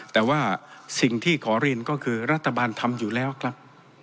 แต่ว่าสิ่งที่ขอเรียนก็คือรัฐบาลทำอยู่แล้วครับ